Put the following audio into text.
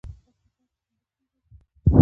په افغانستان کې کندز سیند ډېر زیات اهمیت لري.